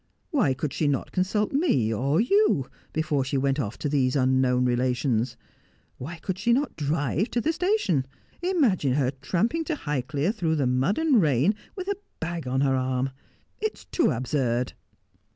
' Why could she not consult me, or you, before she went off to these unknown relations 1 Why could she not drive to the station 1 Imigine her tramping to Highclere through the mud and rain with a bag on her arm ! It is too absurd